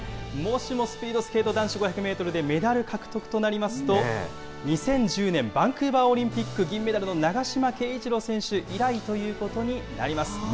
もしもスピードスケート男子５００メートルで、メダル獲得となりますと、２０１０年バンクーバーオリンピック、銀メダルのながしまけいいちろう選手以来ということになります。